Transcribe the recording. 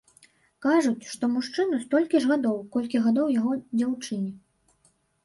Кажуць, што мужчыну столькі ж гадоў, колькі гадоў яго дзяўчыне.